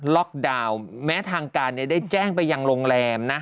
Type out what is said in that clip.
ล็อกดาวน์แม้ทางการได้แจ้งไปยังโรงแรมนะ